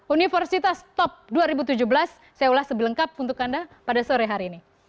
universitas top dua ribu tujuh belas saya ulas sebelengkap untuk anda pada sore hari ini